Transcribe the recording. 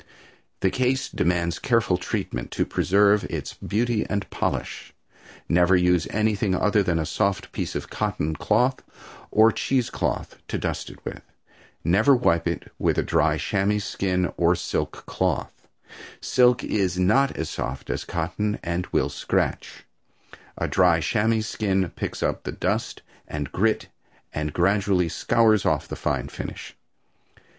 The case demands careful treatment to preserve its beauty and polish, Never use anything other than a soft piece of cotton cloth or cheese cloth to dust it with. Never wipe it with a dry chamois skin or silk cloth. Silk is not as soft as cotton and will scratch. A dry chamois skin picks up the dust and grit and gradually scours off the fine finish.